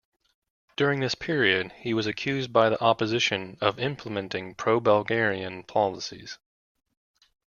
During this period, he was accused by the opposition of implementing pro-Bulgarian policies.